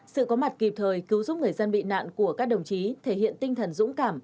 sự có mặt kịp thời cứu giúp người dân bị nạn của các đồng chí thể hiện tinh thần dũng cảm